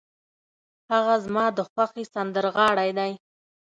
هغه زما د خوښې سندرغاړی دی.